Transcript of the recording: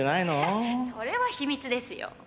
「それは秘密ですよ」